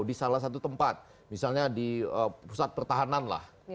di salah satu tempat misalnya di pusat pertahanan lah